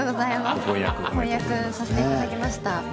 婚約させていただきました。